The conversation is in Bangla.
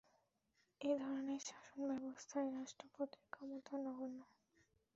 এধরনের শাসন ব্যবস্থায় রাষ্ট্রপতির ক্ষমতা নগণ্য।